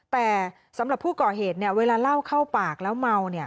แต่สำหรับผู้ก่อเหตุเวลาเล่าเข้าปากแล้วเมา